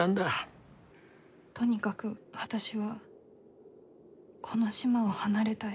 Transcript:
とにかく私はこの島を離れたい。